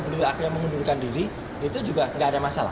beliau akhirnya mengundurkan diri itu juga nggak ada masalah